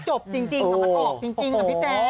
จบจริงกับมันโหกจริงกับพี่แจ๊ด